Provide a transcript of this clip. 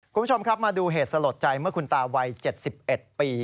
คุณผู้ชมครับมาดูเหตุสลดใจเมื่อคุณตาวัย๗๑ปี